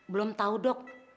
belum tahu dok